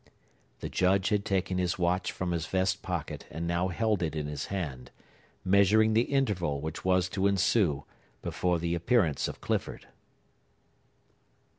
The Judge had taken his watch from his vest pocket and now held it in his hand, measuring the interval which was to ensue before the appearance of Clifford.